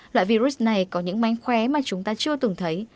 loại virus này có những mánh khóe mà chúng ta chưa từng thấy